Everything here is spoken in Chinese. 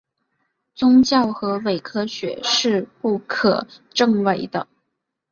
宗教和伪科学是不可证伪的。